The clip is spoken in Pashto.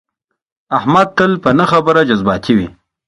احمد تل په نه خبره جذباتي وي.